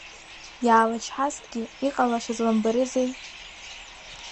Иаалычҳазҭгьы, иҟалашаз лымбарызеи!